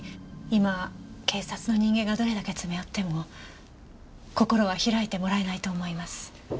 今警察の人間がどれだけ詰め寄っても心は開いてもらえないと思います。